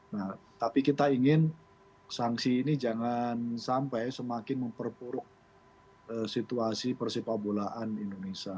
nah tapi kita ingin sanksi ini jangan sampai semakin memperburuk situasi persipabolaan indonesia